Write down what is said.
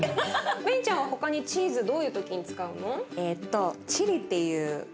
ベニちゃんは他にチーズどういう時に使うの？